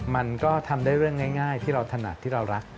มันก็ทำได้เรื่องง่ายที่เราถนัดที่เรารัก